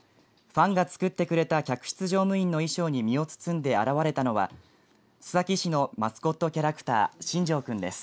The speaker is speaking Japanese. ファンが作ってくれた客室乗務員の衣装に身を包んで現れたのは須崎市のマスコットキャラクターしんじょう君です。